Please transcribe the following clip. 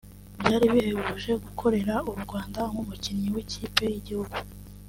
Byari bihebuje gukorera u Rwanda nk’umukinnyi w’ikipe y’igihugu